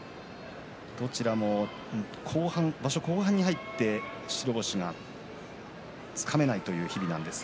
どちらも場所後半に入って白星がつかめないという日々です。